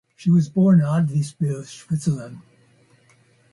She was born in Adliswil, Switzerland.